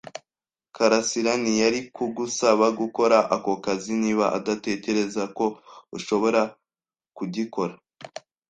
karasira ntiyari kugusaba gukora ako kazi niba adatekereza ko ushobora kugikora.